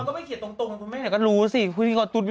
เขาก็ไม่เขียนตรงแม่งก็รู้สิพิธีกรตุ๊ดมีคน